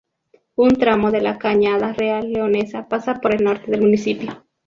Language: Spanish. Un tramo de la cañada real leonesa pasa por el norte del municipio.